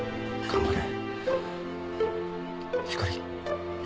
頑張れ。